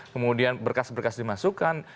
kemudian berkas berkas dimasukkan